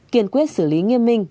kiên quyết xử lý nghiêm minh